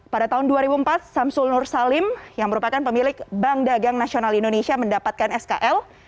pada tahun dua ribu empat samsul nur salim yang merupakan pemilik bank dagang nasional indonesia mendapatkan skl